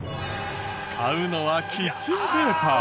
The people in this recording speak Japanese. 使うのはキッチンペーパー。